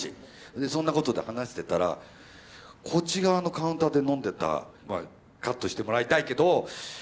でそんなことで話してたらこっち側のカウンターで飲んでたまあカットしてもらいたいけど。